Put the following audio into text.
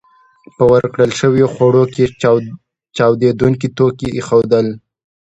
په ورکړل شويو خوړو کې چاودېدونکي توکي ایښودل